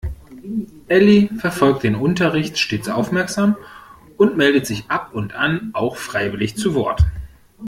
Elli verfolgt den Unterricht stets aufmerksam und meldet sich ab und an auch freiwillig zu Wort.